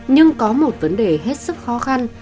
nhưng có một vấn đề hết sức khó khăn